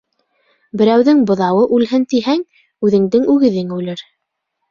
Берәүҙең быҙауы үлһен тиһәң, үҙеңдең үгеҙең үлер.